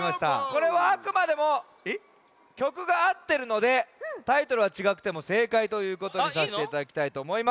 これはあくまでもきょくがあってるのでタイトルはちがくてもせいかいということにさせていただきたいとおもいます。